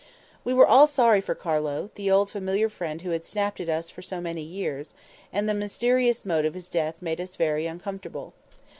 We were all sorry for Carlo, the old familiar friend who had snapped at us for so many years; and the mysterious mode of his death made us very uncomfortable.